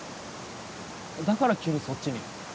だから急にそっちに？